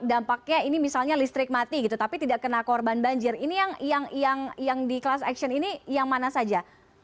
dampaknya ini misalnya listrik mati gitu tapi tidak kena korban banjir ini yang di class action ini yang mana saja